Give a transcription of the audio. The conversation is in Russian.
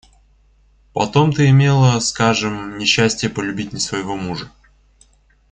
Потом ты имела, скажем, несчастие полюбить не своего мужа.